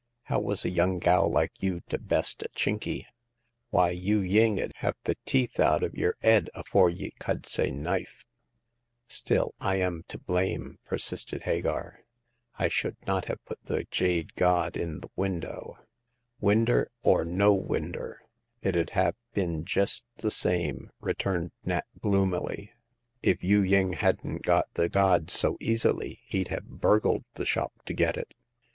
How was a young gal like you to best a Chinky? Why, Yu ying "^ud have the teeth out of yer 'ead ^iore ye cud say knife !The Third Customer. 95 '" Still, I am to blame/* persisted Hagar. I should not have put the jade god in the window." Winder or no winder, it 'ud have been jest the same," returned Nat, gloomily ;if Yu ying hadn't got the god so easily, he'd have burgled the shop to get it.